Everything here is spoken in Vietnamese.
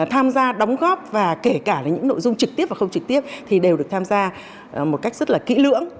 tham gia đóng góp và kể cả là những nội dung trực tiếp và không trực tiếp thì đều được tham gia một cách rất là kỹ lưỡng